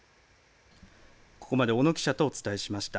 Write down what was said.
ここまで小野記者とお伝えしました。